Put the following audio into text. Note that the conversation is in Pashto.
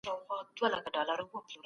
د محصلينو تر منځ نظريات توپير لري.